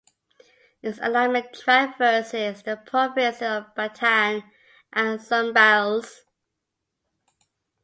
Its alignment traverses the provinces of Bataan and Zambales.